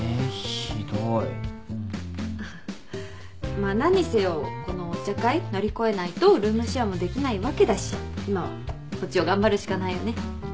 まあ何にせよこのお茶会乗り越えないとルームシェアもできないわけだし今はこっちを頑張るしかないよね。